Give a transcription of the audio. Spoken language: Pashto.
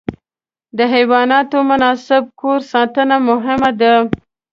د حیواناتو مناسب کور ساتنه مهمه ده.